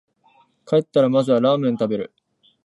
帰ったらまずはラーメン食べる